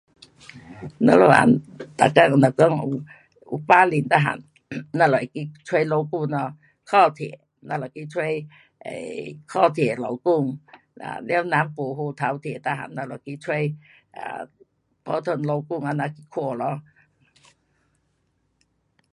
咱们人每天若讲有，有病痛每样，咱们会去找医生咯。脚痛咱就去找，呃，脚痛的医生，呐，完人不好头痛每样咱就去找，啊，普通医生这样去看咯。